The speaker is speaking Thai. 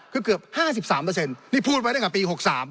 คือเกือบ๕๓นี่พูดไว้ตั้งแต่ปี๖๓